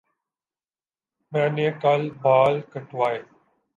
میں نے کل بال کٹوائے